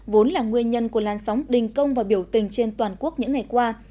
vốn là nguyên nhân của lan sóng đình công và biểu tình trên toàn quốc những ngày qua